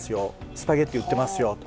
スパゲッティ売ってますよと。